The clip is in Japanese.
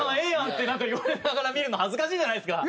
ってなんか言われながら見るの恥ずかしいじゃないですか。